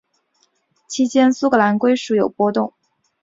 期间苏格兰归属有波动。